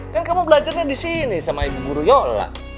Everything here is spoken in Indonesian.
kan kamu belajarnya disini sama ibu guruyola